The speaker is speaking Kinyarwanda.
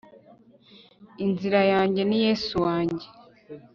inzira yanjye ni yesu wanjye